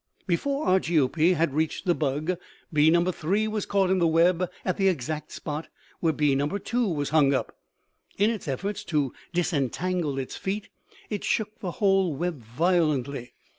"Before Argiope had reached the bug, bee No. 3 was caught in the web at the exact spot where bee No. 2 was hung up. In its efforts to disentangle its feet, it shook the whole web violently.